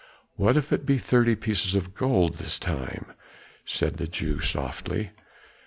"What if it be thirty pieces of gold this time?" said the Jew softly.